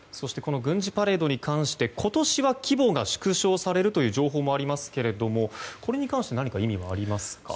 軍事パレードに関しても今年は規模が縮小されるという情報もありますけれどもこれに関して何かありますか。